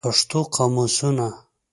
پښتو قاموسونه